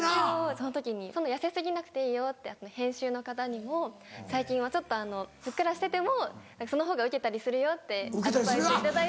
その時に「そんな痩せ過ぎなくていいよ」って編集の方にも「最近はちょっとふっくらしててもそのほうがウケたりするよ」ってアドバイスを頂いて。